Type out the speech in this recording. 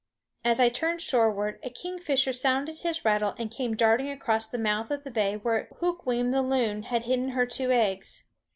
As I turned shoreward a kingfisher sounded his rattle and came darting across the mouth of the bay where Hukweem the loon had hidden her two eggs.